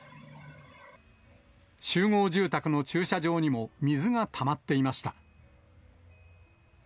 集合住宅の駐車場にも水がたまっていました。